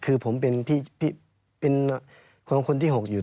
คือผมเป็นคนที่๖อยู่